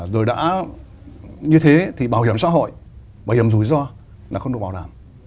rồi đã như thế thì bảo hiểm xã hội bảo hiểm rủi ro là không được bảo đảm